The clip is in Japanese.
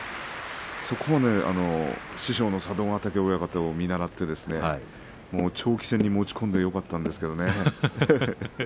そこは師匠の佐渡ヶ嶽親方を見習って長期戦に持ち込んでよかったんですけれどもね。